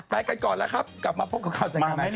ไปก่อนแล้วครับกลับมาพบกับทางสัญญาณห่าย